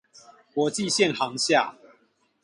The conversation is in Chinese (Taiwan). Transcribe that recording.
國際線航廈